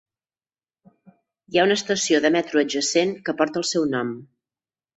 Hi ha una estació de metro adjacent que porta el seu nom.